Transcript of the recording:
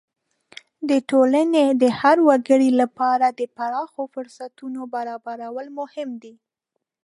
د ټولنې د هر وګړي لپاره د پراخو فرصتونو برابرول مهم دي.